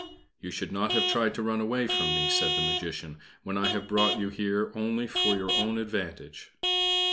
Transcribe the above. "You should not have tried to run away from me," said the Magician, "when I have brought you here only for your own advantage.